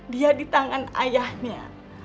dia di tangan ayahnya